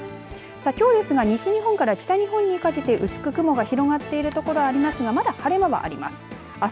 きょうですが西日本から北日本にかけて薄く雲が広がっている所がありますが、まだ晴れ間はあります。